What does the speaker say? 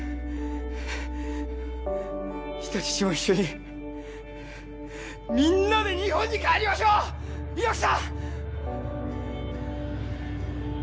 人質と一緒に、みんなで日本に帰りましょう、猪木さん！